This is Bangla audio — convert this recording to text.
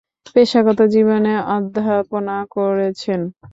পেশাগত জীবনে অধ্যাপনা করেছেন।